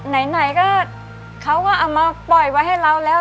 ไหนก็เขาก็เอามาปล่อยไว้ให้เราแล้ว